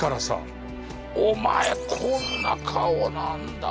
お前こんな顔なんだ。